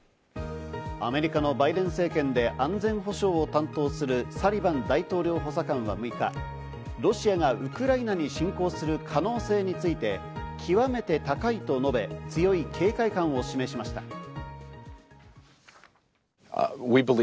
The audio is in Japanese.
アメリカのバイデン政権で安全保障を担当するサリバン大統領補佐官は６日、ロシアがウクライナに侵攻する可能性について極めて高いと述べ、強い警戒感を示しました。